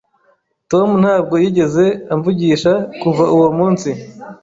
Tom ntabwo yigeze amvugisha kuva uwo munsi.